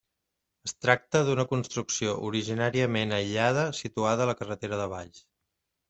Es tracta d'una construcció, originàriament aïllada, situada a la carretera de Valls.